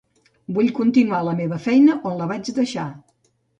Vull continuar la meva feina on la vaig deixar.